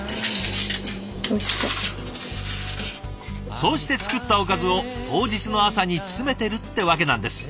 そうして作ったおかずを当日の朝に詰めてるってわけなんです。